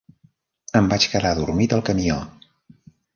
Em vaig quedar adormit al camió.